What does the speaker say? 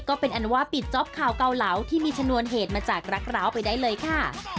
ก็เป็นอันว่าปิดจ๊อปข่าวเกาเหลาที่มีชนวนเหตุมาจากรักร้าวไปได้เลยค่ะ